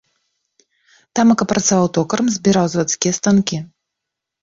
Тамака працаваў токарам, збіраў завадскія станкі.